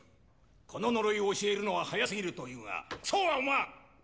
この呪いを教えるのは早すぎると言うがそうは思わん！